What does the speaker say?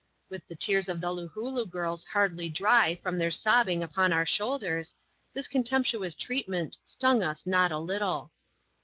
With the tears of the Loohooloo girls hardly dry from their sobbing upon our shoulders, this contemptuous treatment stung us not a little.